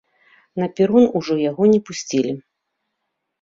На перон ужо яго не пусцілі.